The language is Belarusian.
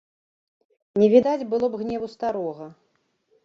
Не відаць было б гневу старога.